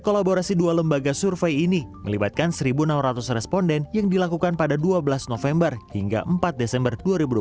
kolaborasi dua lembaga survei ini melibatkan satu enam ratus responden yang dilakukan pada dua belas november hingga empat desember dua ribu dua puluh